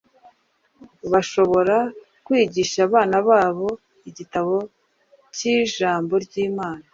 bashobora kwigisha abana babo igitabo cy’ijambo ry’Imana